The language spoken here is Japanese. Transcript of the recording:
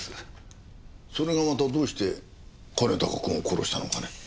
それがまたどうして兼高君を殺したのかね？